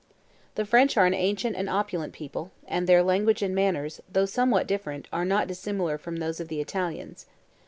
The French are an ancient and opulent people; and their language and manners, though somewhat different, are not dissimilar from those of the Italians.